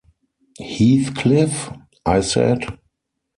'Heathcliff?’ I said.